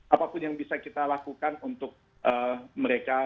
apapun yang bisa kita lakukan untuk mereka